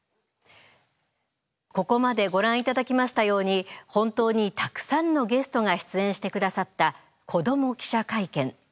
ここまでご覧いただきましたように本当にたくさんのゲストが出演してくださった「子ども記者会見」。